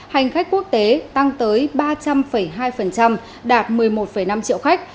hành khách quốc tế tăng tới ba trăm linh hai đạt một mươi một năm triệu khách